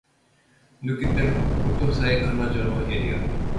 抜けてるとこさえ彼女のエリア